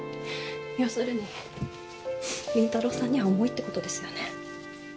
要するに凛太郎さんには重いってことですよね？